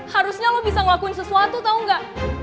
harusnya lo bisa ngelakuin sesuatu tau gak